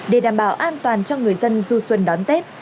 để đảm bảo an toàn cho người dân du xuân đón tết